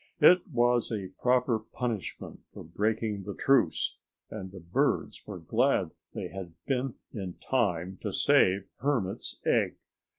It was a proper punishment for breaking the truce, and the birds were glad they had been in time to save Hermit's egg.